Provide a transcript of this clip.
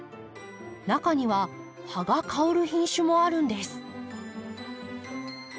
中には葉が香る品種もあるんです。